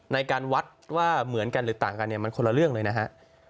ในการวัดว่าเหมือนกันหรือต่างกันเนี่ยมันคนละเรื่องเลยนะฮะ